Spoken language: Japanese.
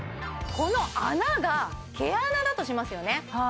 この穴が毛穴だとしますよね